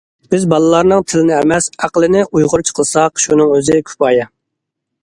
بىز بالىلارنىڭ تىلىنى ئەمەس ئەقلىنى ئۇيغۇرچە قىلساق شۇنىڭ ئۆزى كۇپايە.